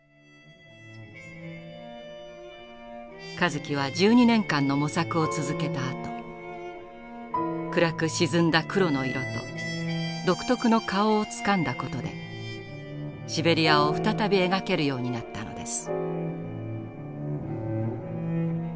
香月は１２年間の模索を続けたあと暗く沈んだ黒の色と独特の顔をつかんだことでシベリアを再び描けるようになったのです。